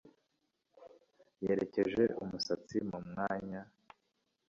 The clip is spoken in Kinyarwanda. Yerekeje umusatsi mu mwanya